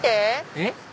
えっ？